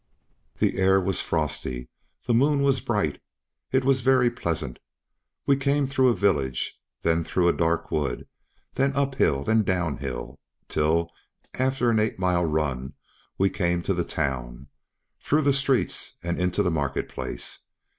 The air was frosty, the moon was bright; it was very pleasant. We came through a village, then through a dark wood, then uphill, then downhill, till after an eight miles' run, we came to the town, through the streets and into the market place.